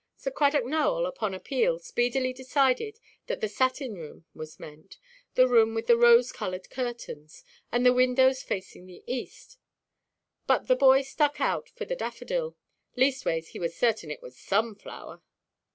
Sir Cradock Nowell, upon appeal, speedily decided that the satin room was meant—the room with the rose–coloured curtains, and the windows facing the east; but the boy stuck out for the daffodil; leastways he was certain it was some flower.